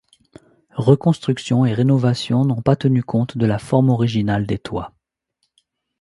Reconstruction et rénovation n’ont pas tenu compte de la forme originale des toits.